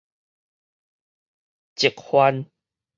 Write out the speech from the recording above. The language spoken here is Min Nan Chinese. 疾患